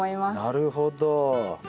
なるほど。